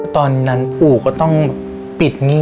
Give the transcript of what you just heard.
ตอนนั้นอู่ต้องปิดเงียบ